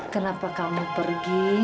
kenapa kamu pergi